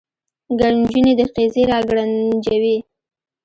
ګړنجونې د قیزې را ګړنجوي